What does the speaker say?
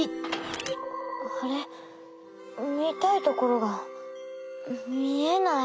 あれっ？みたいところがみえない。